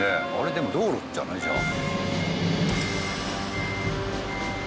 でも道路じゃない？じゃあ。